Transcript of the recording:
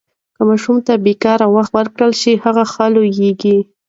که ماشوم ته پکار وخت ورکړل شي، هغه ښه لوییږي.